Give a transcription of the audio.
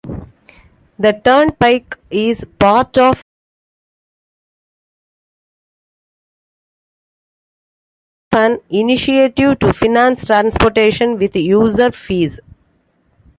The turnpike is part of an initiative to finance transportation with user fees.